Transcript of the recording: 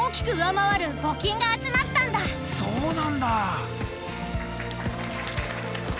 そうなんだ。